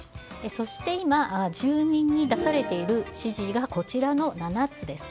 そして今、住民に出されている指示がこちらの７つです。